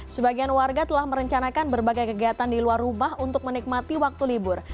sebagian warga telah merencanakan berbagai kegiatan di luar rumah untuk menikmati waktu libur